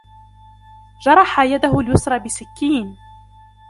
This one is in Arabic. جرح يده اليسرى بسكين.